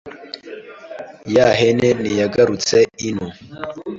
Ya hene ntiyagarutse ino